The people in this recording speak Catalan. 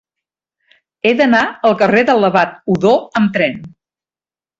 He d'anar al carrer de l'Abat Odó amb tren.